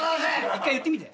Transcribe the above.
１回言ってみて。